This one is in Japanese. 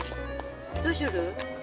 どうする？